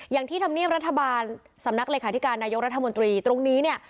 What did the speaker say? อย่างที่ธรรมเนียบรัฐบาลสำนักเลขาธิการนายกรัฐมนตรีตรงนี้เนี่ย